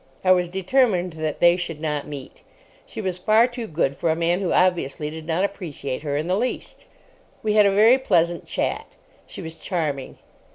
I was determined that they should not meet. She was far too good for a man who obviously did not appreciate her in the least. We had a very pleasant chat. She was charming.